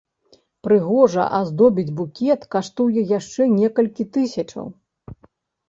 Прыгожа аздобіць букет каштуе яшчэ некалькі тысячаў.